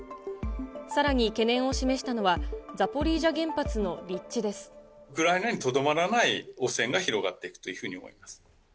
さらに懸念を示したのは、ウクライナにとどまらない汚染が広がっていくというふうに思います。